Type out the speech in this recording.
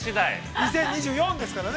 ◆２０２４ですからね。